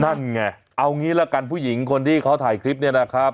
นั่นไงเอางี้ละกันผู้หญิงคนที่เขาถ่ายคลิปเนี่ยนะครับ